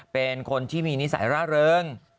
เป็นคนที่มีนิสัยร่าเริง